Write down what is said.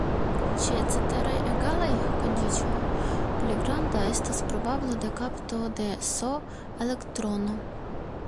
Ĉe ceteraj egalaj kondiĉoj, pli granda estas probablo de kapto de "s"-elektrono.